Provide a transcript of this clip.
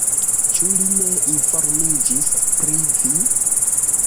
Ĉu li ne informiĝis pri vi?